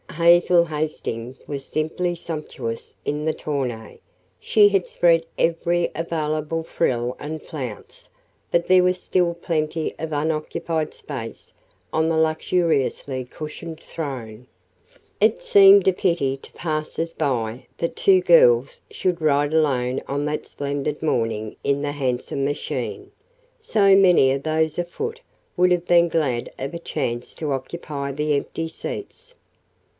Hazel Hastings was simply sumptuous in the tonneau she had spread every available frill and flounce, but there was still plenty of unoccupied space on the luxuriously cushioned "throne." It seemed a pity to passers by that two girls should ride alone on that splendid morning in the handsome machine so many of those afoot would have been glad of a chance to occupy the empty seats.